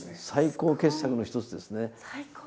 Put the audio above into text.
最高傑作の一つですね。